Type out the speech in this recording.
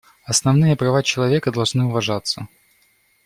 Основные права человека должны уважаться.